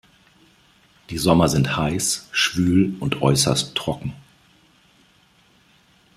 Die Sommer sind heiß, schwül und äußerst trocken.